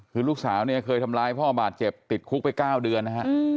คือลูกสาวเนี่ยเคยทำร้ายพ่อบาดเจ็บติดคุกไป๙เดือนนะฮะ